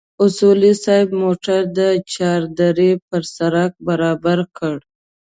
اصولي صیب موټر د چار درې پر سړک برابر کړ.